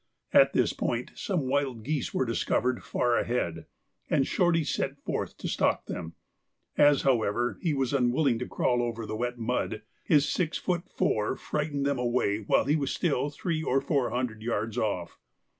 At this point some wild geese were discovered far ahead, and Shorty set forth to stalk them; as, however, he was unwilling to crawl over the wet mud, his six foot four frightened them away while he was still three or four hundred yards off.